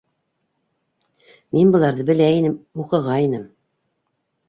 - Мин быларҙы белә инем, уҡығайным...